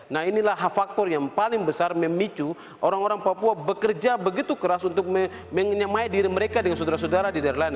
nah inilah faktor yang paling besar memicu orang orang papua bekerja begitu keras untuk menyamai diri mereka dengan saudara saudara di daerah lain